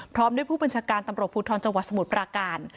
พร้อมด้วยผู้บัญชาการตำรวจภูทรจังหวัดสมุทรปราการ